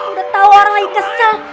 udah tau orang lagi kesal